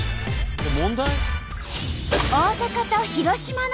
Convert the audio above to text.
問題？